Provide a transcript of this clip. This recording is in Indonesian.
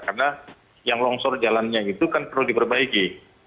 karena yang longsor jalannya itu kan perlu diperbaiki